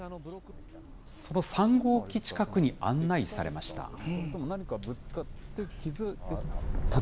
その３号機近くに案内されました。